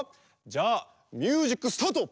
じゃあミュージックスタート！